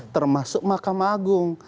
termasuk makam agung